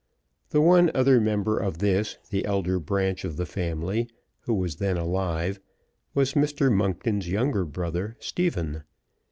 The one other member of this, the elder branch of the family, who was then alive, was Mr. Monkton's younger brother, Stephen.